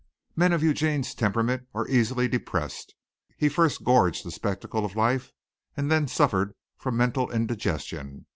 Men of Eugene's temperament are easily depressed. He first gorged the spectacle of life and then suffered from mental indigestion.